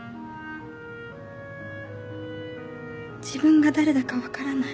自分が誰だか分からない